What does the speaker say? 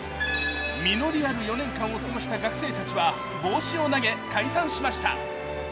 実りある４年間を過ごした学生たちは帽子を投げ解散しました。